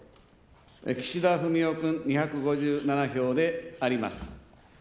岸田文雄君、２５７票であります。